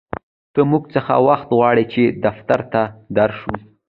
ته مونږ څه وخت غواړې چې دفتر ته در شو